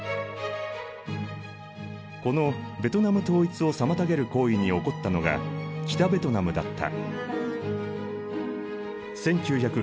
このベトナム統一を妨げる行為に怒ったのが北ベトナムだった。